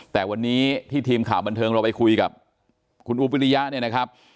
แต่วันนี้ที่ทีมข่าวบันเทิงเราไปคุยกับคุณอุ๊บวิริยะเนี่ยนะครับ